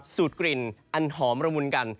สูตรกลิ่นอันหอมระมุนกัน